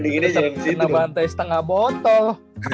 kena bantai setengah botol